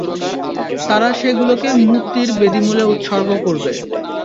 তারা সে গুলোকে মূর্তির বেদীমূলে উৎসর্গ করবে।